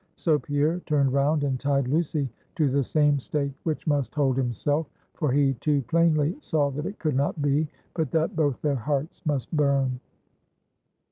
So Pierre turned round and tied Lucy to the same stake which must hold himself, for he too plainly saw, that it could not be, but that both their hearts must burn.